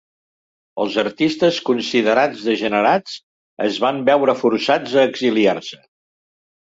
Els artistes considerats degenerats es van veure forçats a exiliar-se.